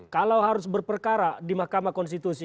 kalau harus berperkara di mahkamah konstitusi